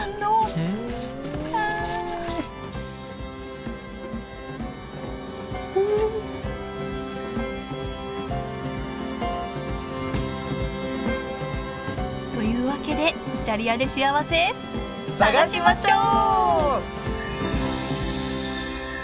ああ！というわけでイタリアでしあわせ探しましょう！